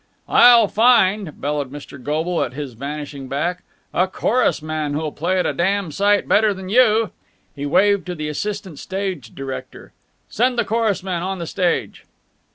"I'll find," bellowed Mr. Goble at his vanishing back, "a chorus man who'll play it a damned sight better than you!" He waved to the assistant stage director. "Send the chorus men on the stage!"